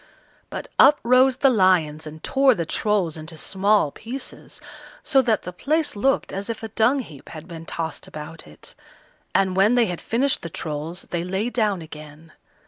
But up rose the lions and tore the Trolls into small pieces, so that the place looked as if a dung heap had been tossed about it; and when they had finished the Trolls they lay down again.